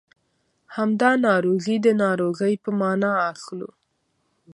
همدا ناروغي د ناروغۍ په مانا اخلو.